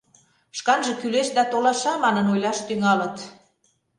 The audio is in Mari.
«Шканже кӱлеш, да толаша» манын ойлаш тӱҥалыт.